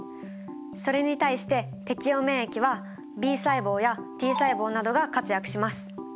それに対して適応免疫はＢ細胞やＴ細胞などが活躍します。